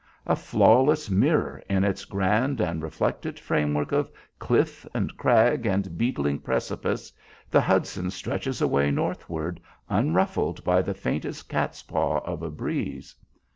A flawless mirror in its grand and reflected framework of cliff and crag and beetling precipice, the Hudson stretches away northward unruffled by the faintest cat's paw of a breeze.